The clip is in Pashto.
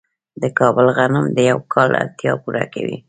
د کابل غنم د یو کال اړتیا پوره کوي.